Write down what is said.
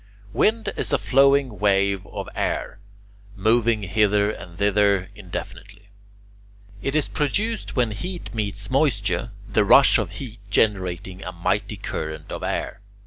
Wind is a flowing wave of air, moving hither and thither indefinitely. It is produced when heat meets moisture, the rush of heat generating a mighty current of air.